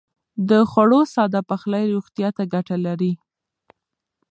د خوړو ساده پخلی روغتيا ته ګټه لري.